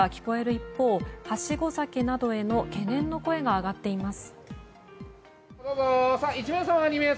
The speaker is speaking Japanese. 一方はしご酒などへの懸念の声が上がっています。